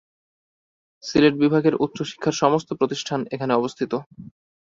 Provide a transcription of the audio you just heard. সিলেট বিভাগের উচ্চ শিক্ষার সমস্ত প্রতিষ্ঠান এখানে অবস্থিত।